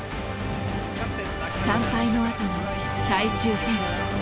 ３敗のあとの最終戦。